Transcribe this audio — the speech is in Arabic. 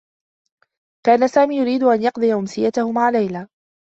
كان سامي يريد أن يقضي أمسيته مع ليلى.